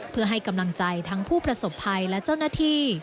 เพื่อให้กำลังใจทั้งผู้ประสบภัยและเจ้าหน้าที่